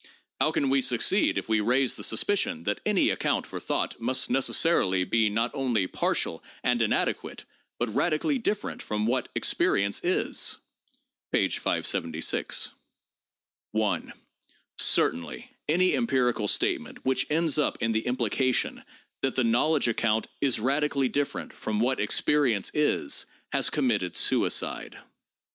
How can we succeed if we raise the suspicion that any account for thought must necessarily be not only partial and inadequate, but radically different from what experience is?" (p. 576). 1. Certainly any empirical statement which ends up in the impli cation that the knowledge account is radically different 'from what experience is' has committed suicide.